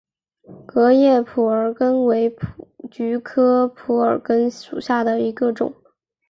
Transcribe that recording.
革叶蒲儿根为菊科蒲儿根属下的一个种。